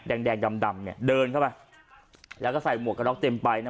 แดงแดงดำดำเนี่ยเดินเข้าไปแล้วก็ใส่หมวกกระน็อกเต็มใบนะ